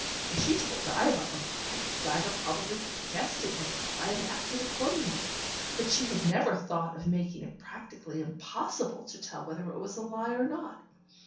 If she told Diva a lie, Diva probably guessed it was a lie, and acted accordingly, but she had never thought of making it practically impossible to tell whether it was a lie or not.